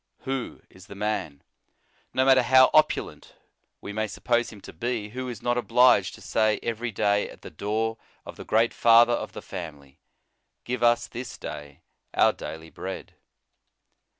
Who is the man, no matter how opulent we may suppose him to be, who is not obliged to say every day at the door of the great Father of the family, Give us this day our daily bread.